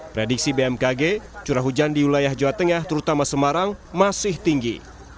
prediksi bmkg curah hujan di wilayah jawa tengah terutama semarang masih tinggi